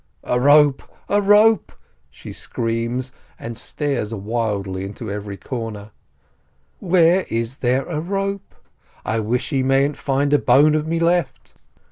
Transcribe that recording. "A rope ! a rope !" she screams, and stares wildly into every corner. "Where is there a rope? I wish he mayn't find a bone of me left